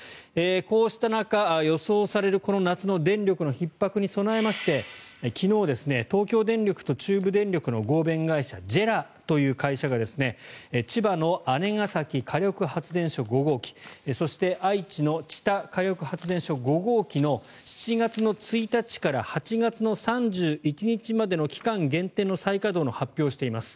こうした中、予想されるこの夏の電力のひっ迫に備えまして昨日、東京電力と中部電力の合弁会社ＪＥＲＡという会社が千葉の姉崎火力発電所５号機そして愛知の知多火力発電所５号機の７月１日から８月３１日までの期間限定の再稼働の発表をしています。